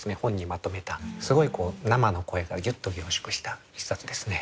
まとめたすごい生の声がギュッと凝縮した一冊ですね。